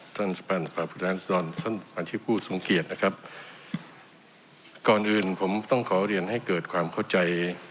ท่านสมัยประธานสมัยประธานสมัยที่ผู้สงเกตนะครับก่อนอื่นผมต้องขอเรียนให้เกิดความเข้าใจ